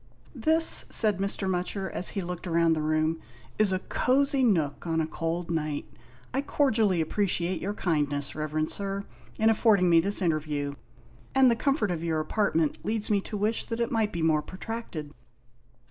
"This," said Mr. Mutcher, as he looked round the room, "is a cosy nook on a cold night. I cordially appreciate your kindness. Reverend Sir, in affording me this interview, and the com fort of your apartment leads me to wish that it might be more protracted."